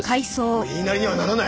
もう言いなりにはならない。